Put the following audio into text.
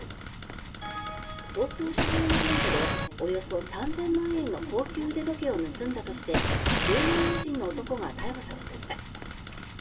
東京・渋谷の店舗でおよそ３０００万円の高級腕時計を盗んだとしてルーマニア人の男が逮捕されました。